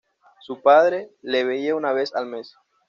Su padre le veía una vez al mes.